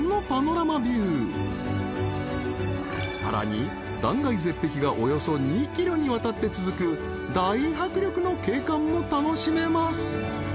［さらに断崖絶壁がおよそ２ｋｍにわたって続く大迫力の景観も楽しめます］